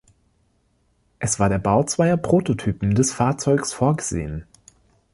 Es war der Bau zweier Prototypen des Fahrzeugs vorgesehen.